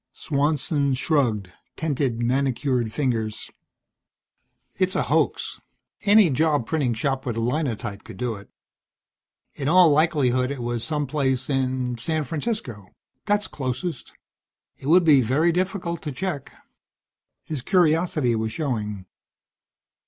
Swanson shrugged; tented manicured fingers. "It's a hoax. Any job printing shop with a Linotype could do it. In all likelihood it was some place in San Francisco. That's closest. It would be very difficult to check." His curiosity was showing.